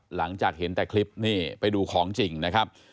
หลังจากเห็นแต่คลิปนี่ไปดูของจริงนะครับ